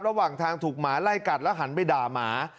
ระหว่างทางถูกหมาไล่กัดแล้วหันไปด่าหมา